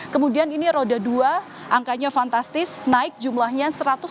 kemudian ini roda dua angkanya fantastis naik jumlahnya satu ratus enam puluh